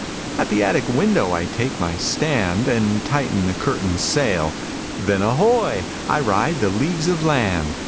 At the attic window I take my stand. And tighten the curtain sail, Then, ahoy! I ride the leagues of land.